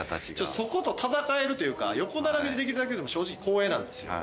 そこと戦えるっていうか横並びでできるだけでも正直光栄なんですよ。